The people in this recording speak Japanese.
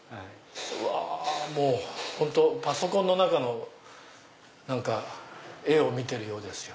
本当パソコンの中の絵を見てるようですよ。